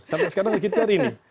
sampai sekarang lagi itu hari ini